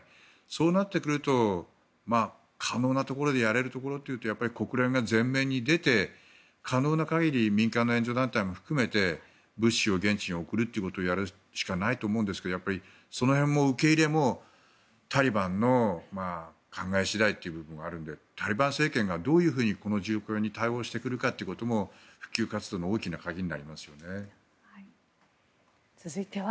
そうなってくると可能なところでやれるところというとやっぱり国連が前面に出て可能な限り民間の援助団体も含めて物資を現地に送るということをやるしかないんですがその辺の受け入れもタリバンの考え次第という部分があるのでタリバン政権がどういうふうにこの地震に対応してくるかってことも近未来的な建物。